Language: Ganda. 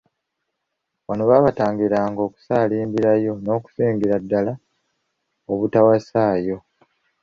Wano baabatangiranga okusaalimbirayo n’okusingira ddala obutawasaayo.